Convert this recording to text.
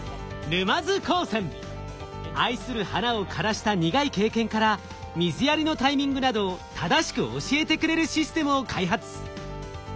愛する花を枯らした苦い経験から水やりのタイミングなどを正しく教えてくれるシステムを開発。